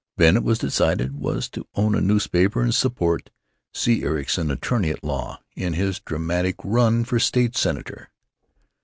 Ben, it was decided, was to own a newspaper and support C. Ericson, Attorney at Law, in his dramatic run for state senator.